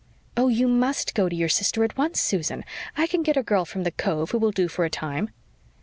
"Oh, you must go to your sister at once, Susan. I can get a girl from the cove, who will do for a time."